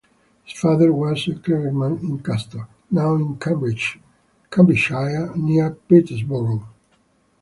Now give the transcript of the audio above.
His father was a clergyman in Castor, now in Cambridgeshire near Peterborough.